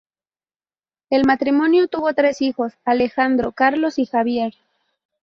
El matrimonio tuvo tres hijos: Alejandro, Carlos y Javier.